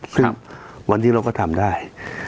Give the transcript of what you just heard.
ซึ่งวันนี้เราก็ทำได้